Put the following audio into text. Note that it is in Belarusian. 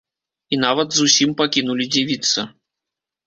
І нават зусім пакінулі дзівіцца.